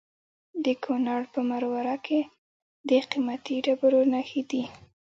د کونړ په مروره کې د قیمتي ډبرو نښې دي.